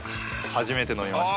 初めて飲みました。